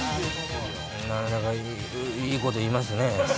なかなかいいこと言いますね。